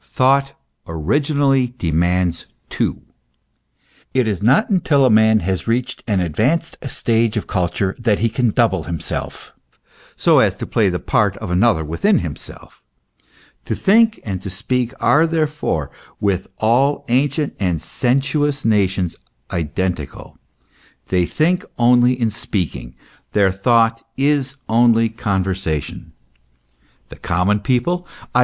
Thought originally demands two. It is not until man has reached an advanced stage of culture that he can double himself, so as to play the part of another within himself. To think and to speak are therefore with all ancient and sensuous nations, identical ; they think only in speaking ; their thought is only conversation. The common people, i.